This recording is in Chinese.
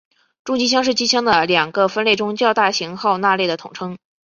重机枪是机枪的两个分类中较大型号那类的统称。